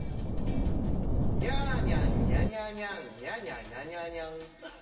ニャーニャンニャニャンニャニャニャニャニャン。